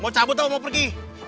mau cabut dong mau pergi